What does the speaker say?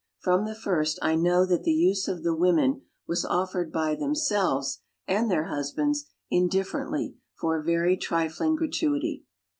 From the first I know that the use of the women was offered by themselves and their husbands indifferently for a very trifling gratuity.